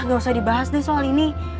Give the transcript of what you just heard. gak usah dibahas nih soal ini